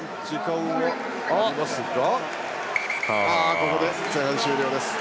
ここで前半終了です。